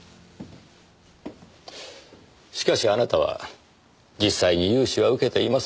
しかしあなたは実際に融資は受けていませんでした。